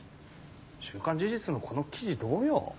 「週刊事実」のこの記事どうよ。